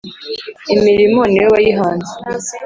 imirimo ni we wayihanze